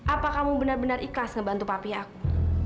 apa kamu benar benar ikhlas ngebantu papi aku